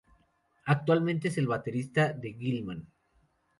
Actualmente es el baterista de Gillman.